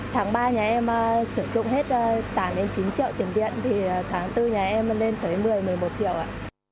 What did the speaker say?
tháng ba nhà em sử dụng hết tám chín triệu tiền điện thì tháng bốn nhà em lên tới một mươi một mươi một triệu ạ